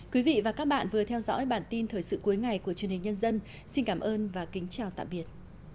quý vị và các bạn vừa theo dõi bản tin thời sự cuối ngày của truyền hình nhân dân xin cảm ơn và kính chào tạm biệt